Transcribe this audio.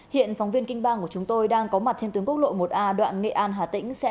hiện phóng viên kinh bang của chúng tôi đang có mặt trên tuyến quốc lộ một a đoạn nghệ an hà tĩnh